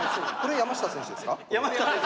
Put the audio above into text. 山下選手です。